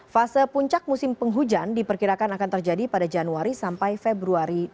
fase puncak musim penghujan diperkirakan akan terjadi pada januari sampai februari dua ribu dua puluh